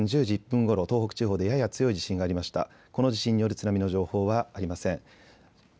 この地震による津波の情報はありません。